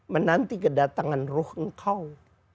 menanti kedatangan ruh engkau